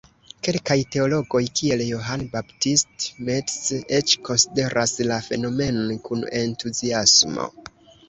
Kelkaj teologoj, kiel Johann Baptist Metz, eĉ konsideras la fenomenon kun entuziasmo.